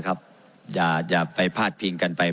ไม่ได้เป็นประธานคณะกรุงตรี